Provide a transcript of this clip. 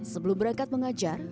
sebelum berangkat mengajar